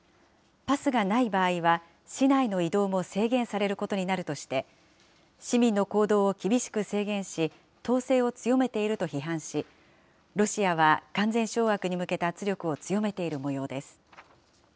パスがない場合は市内の移動も制限されることになるとして、市民の行動を厳しく制限し、統制を強めていると批判し、ロシアは完全掌握に向けた圧力を強めているもようです。